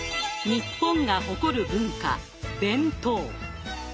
日本が誇る文化弁当。